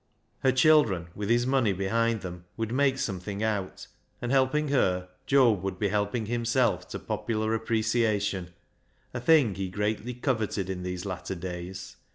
Her children with his money behind them would make something out ; and, helping her, Job would be helping himself to popular appreciation, a thing he greatly coveted in these latter days.